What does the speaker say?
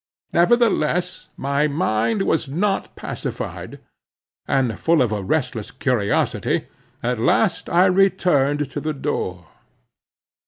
Nevertheless, my mind was not pacified; and full of a restless curiosity, at last I returned to the door.